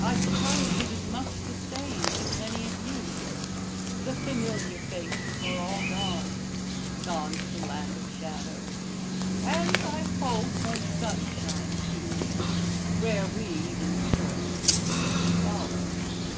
I suppose it is much the same with many of you the familiar faces are all gone, gone to the land of shadows, and I hope of sunshine too, where we in turn will soon follow.